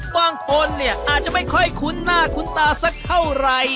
บางคนเนี่ยอาจจะไม่ค่อยคุ้นหน้าคุ้นตาสักเท่าไหร่